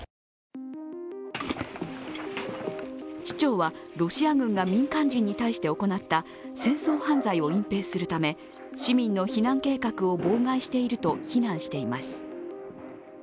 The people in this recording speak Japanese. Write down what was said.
市長はロシア軍が民間人に対して行った戦争犯罪を隠蔽するため、市民の避難計画を妨害していると非難しています。